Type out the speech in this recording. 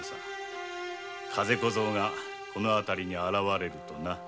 風小僧がこの辺りに現れるとな。